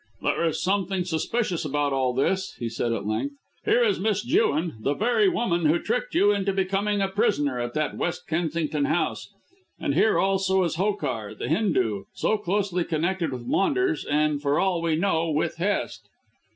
"There's something suspicious about all this," he said at length. "Here is Miss Jewin, the very woman who tricked you into becoming a prisoner at that West Kensington house, and here also is Hokar, the Hindoo, so closely connected with Maunders, and, for all we know, with Hest."